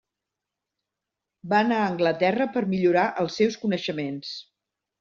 Va anar a Anglaterra per millorar els seus coneixements.